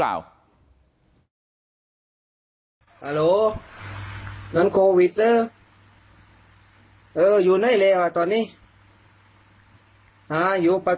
แหล่งใต้เลยใช่ไหมครับ